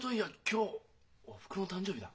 今日おふくろの誕生日だ。